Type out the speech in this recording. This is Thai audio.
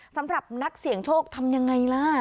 สำหรับนักเสี่ยงโชคทำยังไงล่ะ